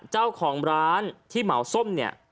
เจ้าของร้านที่เหมาส้มเนี่ย